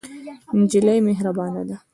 نجلۍ مهربانه ده.